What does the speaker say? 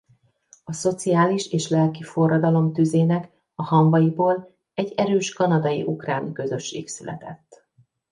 A szociális és lelki forradalom tüzének a hamvaiból egy erős kanadai-ukrán közösség született.